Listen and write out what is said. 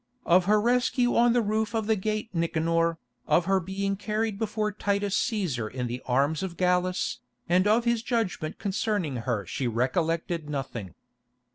Of her rescue on the roof of the Gate Nicanor, of her being carried before Titus Cæsar in the arms of Gallus, and of his judgment concerning her she recollected nothing.